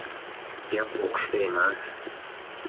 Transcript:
— Gap o‘qishda emas...